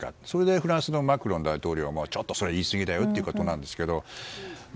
それでフランスのマクロン大統領もちょっと、それは言い過ぎだよということなんですが。